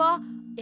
え！